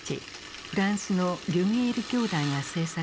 フランスのリュミエール兄弟が製作した